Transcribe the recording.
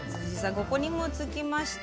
ここにもつきました。